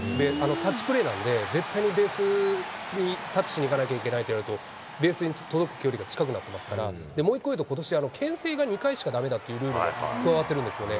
タッチプレーなんで、絶対にベースにタッチしにいかなきゃいけないとなると、ベースに届く距離が近くなってますから、もう一個言うと、ことしけん制が２回しかだめだっていうルールが加わってるんですよね。